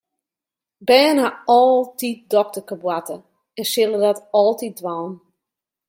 Bern hawwe altyd dokterkeboarte en sille dat altyd dwaan.